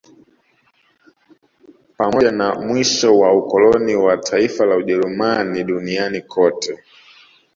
Pamoja na mwisho wa ukoloni wa taifa la Ujerumani duniani kote